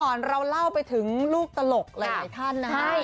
ก่อนเราเล่าไปถึงลูกตลกอะไรอย่างนี้ท่านนะครับ